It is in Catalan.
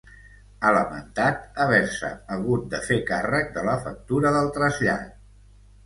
Ha lamentat haver-se hagut de fer càrrec de la factura del trasllat.